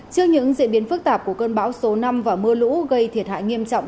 trước những diễn biến phức tạp của cơn bão số năm và mưa lũ gây thiệt hại nghiêm trọng